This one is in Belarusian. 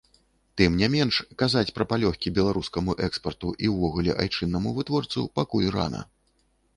Тым не менш казаць пра палёгкі беларускаму экспарту і ўвогуле айчыннаму вытворцу пакуль рана.